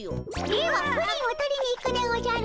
ではプリンを取りに行くでおじゃる。